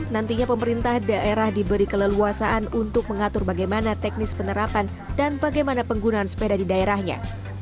nantinya pemerintah daerah diberi keleluasaan untuk mengatur bagaimana teknis penerapan dan bagaimana penggunaan sepeda di daerahnya